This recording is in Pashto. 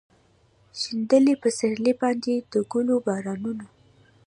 شیندلي پسرلي باندې د ګلو بارانونه